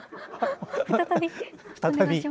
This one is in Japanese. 再び。